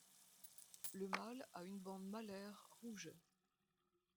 Le mâle a une bande malaire rouge.